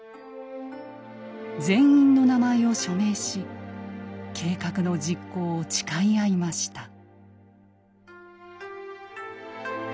全員の名前を署名し計画の実行を誓い合いました。